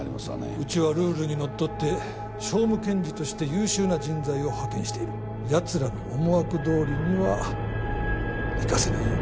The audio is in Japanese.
うちはルールにのっとって訟務検事として優秀な人材を派遣しているやつらの思惑どおりにはいかせないよ